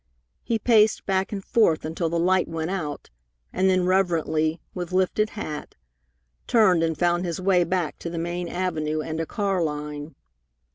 He paced back and forth until the light went out, and then reverently, with lifted hat, turned and found his way back to the main avenue and a car line.